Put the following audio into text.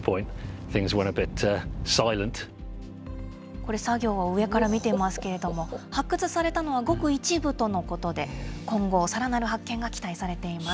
これ、作業を上から見ていますけれども、発掘されたのは、ごく一部とのことで、今後、さらなる発見が期待されています。